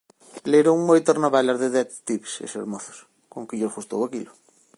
Leron moitas novelas de detectives, eses mozos, conque lles gustou aquilo.